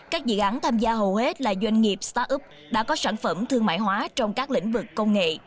các dự án tham gia hầu hết là doanh nghiệp start up đã có sản phẩm thương mại hóa trong các lĩnh vực công nghệ